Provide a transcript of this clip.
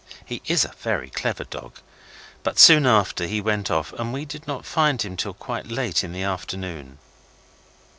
He is a very clever dog, but soon after he went off and we did not find him till quite late in the afternoon.